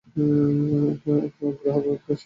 এক গ্রাহক এসে গাঙুকে খুঁজছে।